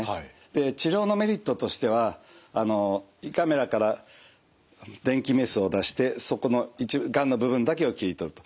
で治療のメリットとしては胃カメラから電気メスを出してそこのがんの部分だけを切り取ると。